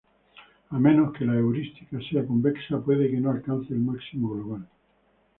A menos que la heurística sea convexa, puede que no alcance el máximo global.